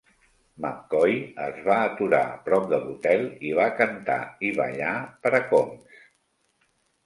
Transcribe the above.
McCoy es va aturar a prop de l'hotel i, va cantar i ballar per a Combs.